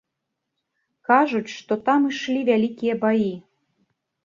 Кажуць, што там ішлі вялікія баі.